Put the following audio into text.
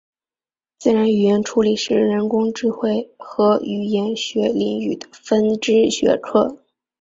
自然语言处理是人工智慧和语言学领域的分支学科。